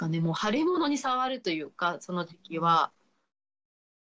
もう腫れ物に触るというかその時は。